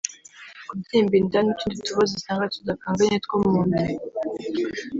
kubyimba inda n`utundi tubazo usanga tudakanganye two mu nda